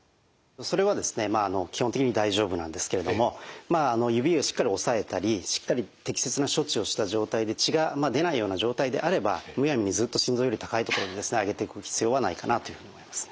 それは基本的に大丈夫なんですけれども指をしっかりおさえたりしっかり適切な処置をした状態で血があんまり出ないような状態であればむやみにずっと心臓より高い所に上げておく必要はないかなというふうに思いますね。